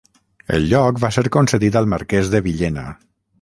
El lloc va ser concedit al Marquès de Villena.